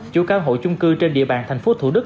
chú cán hộ chung cư trên địa bàn thành phố thủ đức